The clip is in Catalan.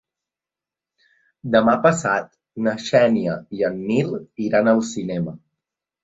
Demà passat na Xènia i en Nil iran al cinema.